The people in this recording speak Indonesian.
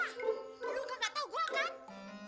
ah lu gak tau gua kan